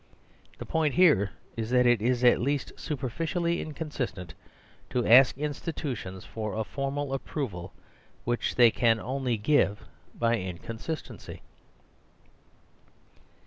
The point here is that it is at least superficially inconsistent to ask institutions for a formal approval, which they can only give by an inconsistency.